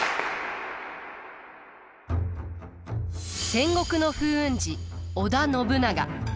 戦国の風雲児織田信長。